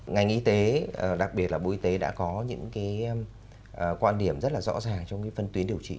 ngành y tế đặc biệt là bộ y tế đã có những cái quan điểm rất là rõ ràng trong cái phân tuyến điều trị